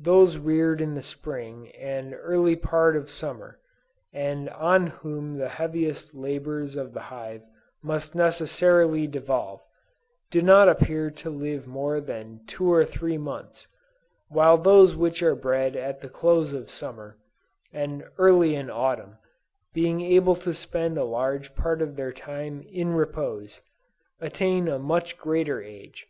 Those reared in the spring and early part of summer, and on whom the heaviest labors of the hive must necessarily devolve, do not appear to live more than two or three months, while those which are bred at the close of summer, and early in autumn, being able to spend a large part of their time in repose, attain a much greater age.